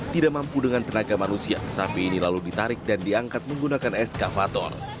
tidak mampu dengan tenaga manusia sapi ini lalu ditarik dan diangkat menggunakan eskavator